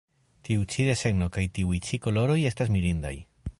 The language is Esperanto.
Tiu ĉi desegno kaj tiuj ĉi koloroj estas mirindaj!